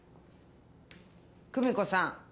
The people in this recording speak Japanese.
久美子さん。